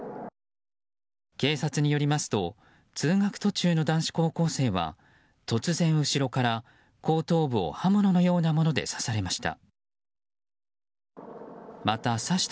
警察によりますと通学途中の男子高校生は突然後ろから後頭部を刃物のようなもので刺されました。